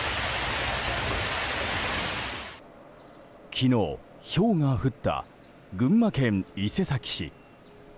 昨日、ひょうが降った群馬県伊勢崎市。